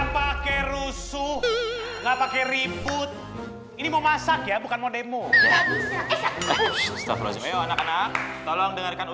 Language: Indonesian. pakai rusuh enggak pakai ribut ini mau masak ya bukan mau demo